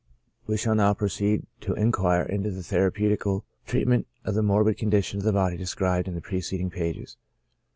We shall now proceed to inquire into the therapeutical treatment of the morbid condition of the body described in the preceding pages.